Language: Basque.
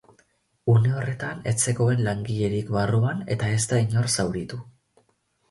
Une horretan ez zegoen langilerik barruan eta ez da inor zauritu.